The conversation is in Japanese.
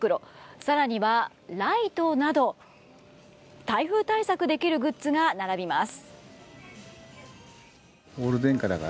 更にはライトなど台風対策できるグッズが並びます。